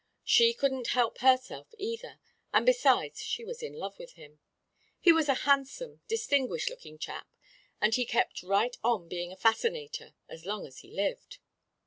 She couldn't help herself, either, and besides she was in love with him. He was a handsome, distinguished lookin' chap, and he kept right on bein' a fascinator as long as he lived.